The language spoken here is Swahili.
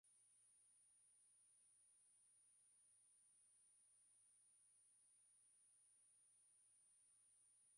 e ni mwenyekiti wa tume ya uchanguzi nchini tanzania jaji mstaafu